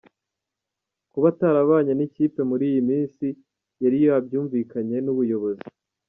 Kuba atarabanye n’ikipe muri iyi minsi yari yabyumvikanye n’ubuyobozi.